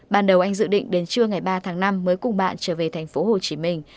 ban đầu anh dự định đến trưa ngày ba tháng năm mới cùng bạn trở về thành phố hồ chí minh